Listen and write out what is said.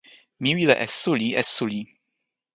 mi wile e suli e suli.